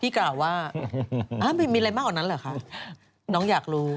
กล่าวว่ามีอะไรมากกว่านั้นเหรอคะน้องอยากรู้